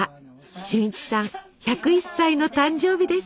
俊一さん１０１歳の誕生日です。